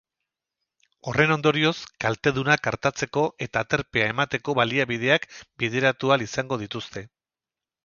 Horren ondorioz, kaltedunak artatzeko eta aterpea emateko baliabideak bideratu ahal izango dituzte.